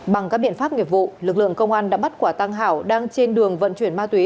bằng các biện pháp nghiệp vụ lực lượng công an đã bắt quả tăng hảo đang trên đường vận chuyển ma túy